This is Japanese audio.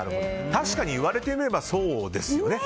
確かにいわれてみればそうですよね。